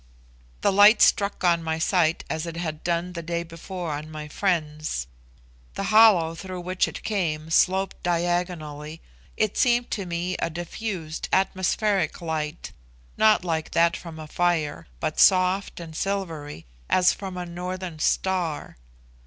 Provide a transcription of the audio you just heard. The light struck on my sight as it had done the day before on my friend's. The hollow through which it came sloped diagonally: it seemed to me a diffused atmospheric light, not like that from fire, but soft and silvery, as from a northern star.